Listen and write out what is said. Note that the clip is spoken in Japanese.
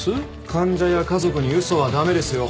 患者や家族に嘘は駄目ですよ。